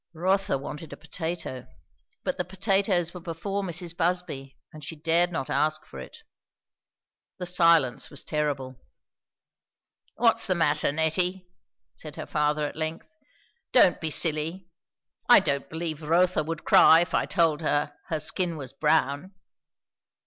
Rotha wanted a potatoe, but the potatoes were before Mrs. Busby, and she dared not ask for it. The silence was terrible. "What's the matter, Nettie?" said her father at length. "Don't be silly. I don't believe Rotha would cry if I told her her skin was brown."